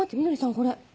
これ。